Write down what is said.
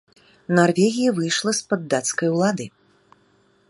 Нарвегія выйшла з-пад дацкай улады.